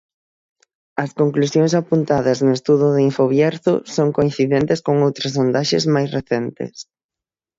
As conclusións apuntadas no estudo de Infobierzo son coincidentes con outras sondaxes máis recentes.